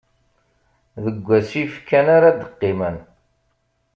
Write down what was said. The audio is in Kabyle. Deg wasif kan ara d-qqimen.